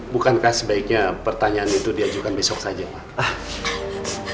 bukankah sebaiknya pertanyaan itu diajukan besok saja pak